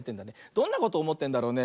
どんなことおもってんだろうね。